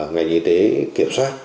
ngành y tế kiểm soát